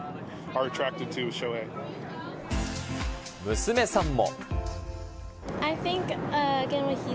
娘さんも。